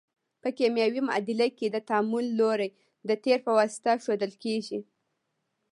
په کیمیاوي معادله کې د تعامل لوری د تیر په واسطه ښودل کیږي.